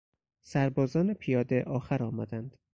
سربازان پیاده آخر آمدند.